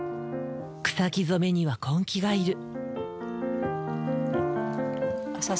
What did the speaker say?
草木染めには根気がいる。